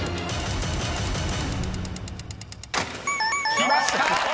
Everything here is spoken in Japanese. ［きました！